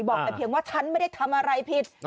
บอกแต่เพียงว่าฉันไม่ได้ทำอะไรผิด